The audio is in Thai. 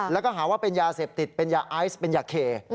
แล้วก็หาว่าเป็นยาเสพติดเป็นยาไอซ์เป็นยาเค